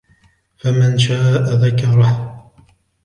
فمن شاء ذكره